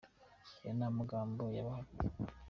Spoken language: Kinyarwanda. aya ni amagambo ya Bahati.